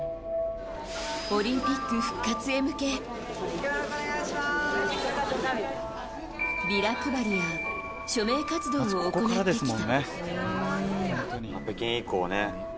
オリンピック復活へ向けビラ配りや署名活動を行ってきた。